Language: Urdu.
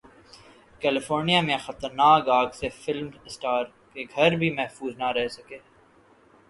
کیلیفورنیا میں خطرناک اگ سے فلم اسٹارز کے گھر بھی محفوظ نہ رہ سکے